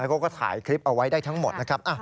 เขาก็ถ่ายคลิปเอาไว้ได้ทั้งหมดนะครับ